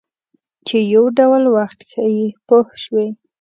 چې یو ډول وخت ښیي پوه شوې!.